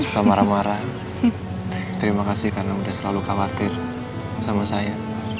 terima kasih karena udah selalu khawatir sama saya